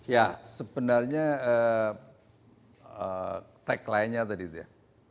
ya sebenarnya tagline nya tadi itu ya